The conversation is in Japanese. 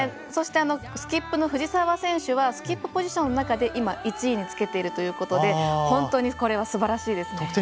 そして、スキップの藤澤選手はスキップポジションの中で１位につけているということで本当にすばらしいですね。